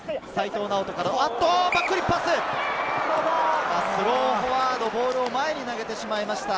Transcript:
齋藤直人からスローフォワード、ボールを前に投げてしまいました。